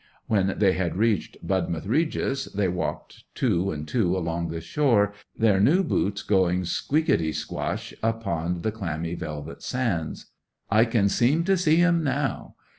'When they had reached Budmouth Regis they walked two and two along the shore—their new boots going squeakity squash upon the clammy velvet sands. I can seem to see 'em now!